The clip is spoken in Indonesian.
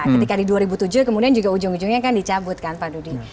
ketika di dua ribu tujuh kemudian juga ujung ujungnya kan dicabut kan pak dudi